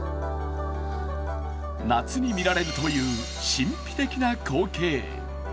夏に見られるという神秘的な光景。